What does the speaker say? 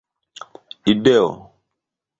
ideo